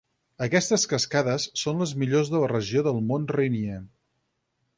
Aquestes cascades són les millors de la regió del Mont Rainier.